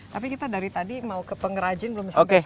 tapi kita dari tadi mau ke pengrajin belum sampai sekarang